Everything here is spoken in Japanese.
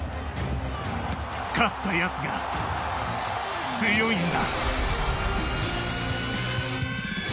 勝ったやつが強いんだ。